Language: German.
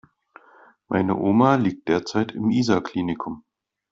Meine Oma liegt derzeit im Isar Klinikum.